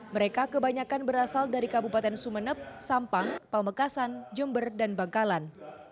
mereka kebanyakan berasal dari kabupaten sumeneb sampang pamekasan jember dan bangkalan